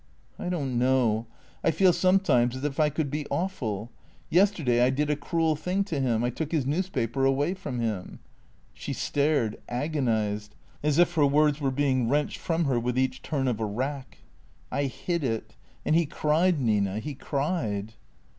" I don't know. I feel sometimes as if I could be awful. Yesterday, I did a cruel thing to him. I took his newspaper away from him." She stared, agonized, as if her words were being wrenched from her with each turn of a rack. " I hid it. And he cried, Nina, he cried."